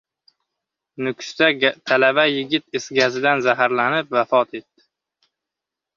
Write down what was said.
Nukusda talaba yigit is gazidan zaharlanib, vafot etdi